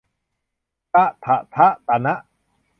ฏะฐะฑะฒะณะ